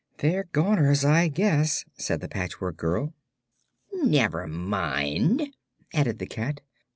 "They're goners, I guess," said the Patchwork Girl. "Never mind," added the cat.